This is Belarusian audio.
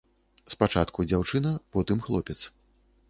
Спачатку дзяўчына, потым хлопец.